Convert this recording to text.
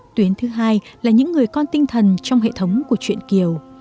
tuyến thứ hai là những người con tinh thần trong hệ thống của chuyện kiều